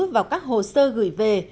vào các hồ sơ gửi về